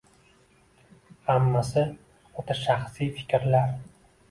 Hammasi oʻta shaxsiy fikrlar.